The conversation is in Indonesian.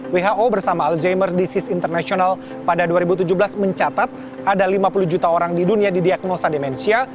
who bersama alzheimer disease international pada dua ribu tujuh belas mencatat ada lima puluh juta orang di dunia didiagnosa demensia